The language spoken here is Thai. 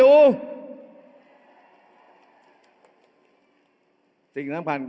เอาข้างหลังลงซ้าย